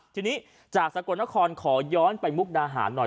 ทีนี้จากสักกว่าน้าคอร์ขอย้อนไปมุกดาหารหน่อย